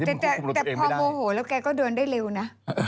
ที่มึงควบคุมรถเองไม่ได้แต่พอโมโหแล้วแกก็เดินได้เร็วนะ